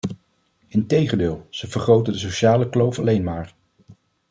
Integendeel, ze vergroten de sociale kloof alleen maar.